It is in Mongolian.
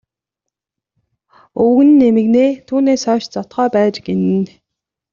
Өвгөн нь эмгэнээ түүнээс хойш зодохоо байж гэнэ.